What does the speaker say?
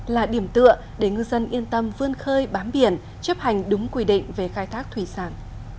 là điểm tựa để ngư dân yên tâm vươn khơi bám biển chấp hành đúng quy định về khai thác thủy sản